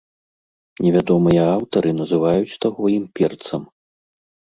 Невядомыя аўтары называюць таго імперцам.